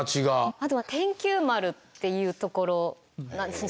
あとは天球丸っていうところなんですね